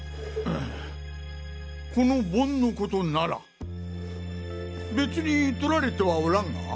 この盆の事なら別に盗られてはおらんが？